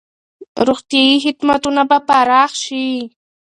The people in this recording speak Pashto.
روغتیايي خدمتونه به پراخ شي.